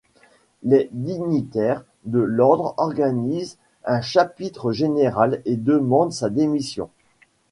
Les dignitaires de l'Ordre organisent un chapitre général et demandent sa démission.